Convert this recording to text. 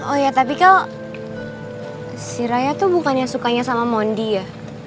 oh ya tapi kal si raya tuh bukan yang sukanya sama mondi ya